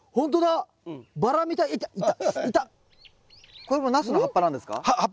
これもナスの葉っぱなんですか？